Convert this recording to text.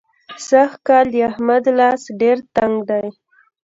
سږکال د احمد لاس ډېر تنګ دی.